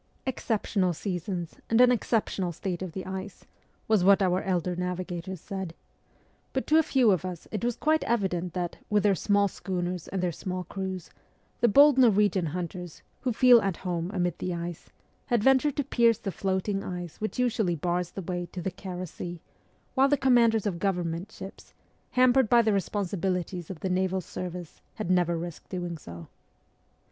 'Exceptional seasons and an exceptional state of the ice ' was what our elder navigators said. But to a few of us it was quite evident that, with their small schooners and their small crews, the bold Norwegian hunters, who feel at home amid the ice, had ventured to pierce the floating ice which usually bars the way to the Kara Sea, while the commanders of Government ships, hampered by the responsibilities of the naval service, had never risked doing so.